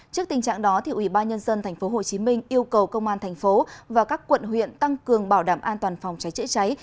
trước tình trạng đó ủy ban nhân dân tp hcm yêu cầu công an thành phố và các quận huyện tăng cường bảo đảm an toàn phòng cháy chữa cháy